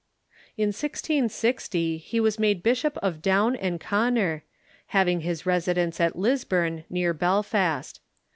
In 1660 he was made Bishop of Down and Connor, having his residence at Lisburn, near Belfast.